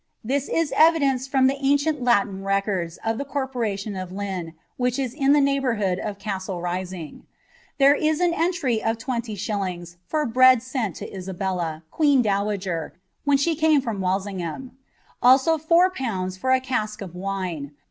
! j is evidenced from the ancient Ijiiin records of the corporation of [in,* which is in the neighbourhood of Castle Rising. There is an V of'ZOi. for bread sent to Isabella, queen dowager, when she came :.', Walsingham; also 4/. for a cask of wine, 3